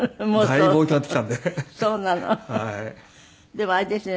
でもあれですね。